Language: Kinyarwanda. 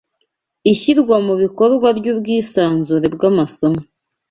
ishyirwa mu bikorwa ry'ubwisanzure bw'amasomo